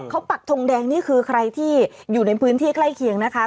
เขาปักทงแดงนี่คือใครที่อยู่ในพื้นที่ใกล้เคียงนะคะ